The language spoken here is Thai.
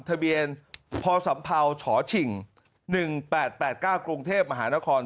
ทะเบียนพสัมภาวฉฉิ่งหนึ่งแปดแปดเก้ากรุงเทพมหานคร